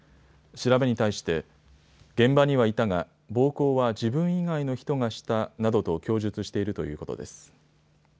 調べに対して現場にはいたが暴行は自分以外の人がしたなどと供述しているということです。